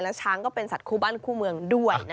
แล้วช้างก็เป็นสัตว์คู่บ้านคู่เมืองด้วย